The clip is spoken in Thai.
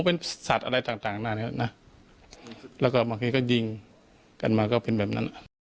เป็นสัตว์อะไรต่างหน้านี้นะแล้วก็บางทีก็ยิงกันมาก็เป็นแบบนั้น